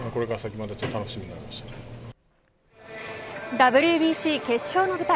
ＷＢＣ決勝の舞台